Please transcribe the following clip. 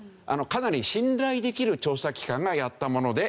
かなり信頼できる調査機関がやったもので。